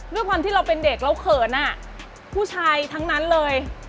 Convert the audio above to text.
ด้วยความที่เราเป็นเด็กเราเขินผู้ชายทั้งนั้นเลย